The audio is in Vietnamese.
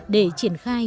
để triển khai